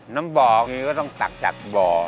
น้ำบ่อไงก็ต้องตักจากบ่อ